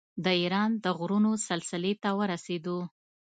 د ایران د غرونو سلسلې ته ورسېدو.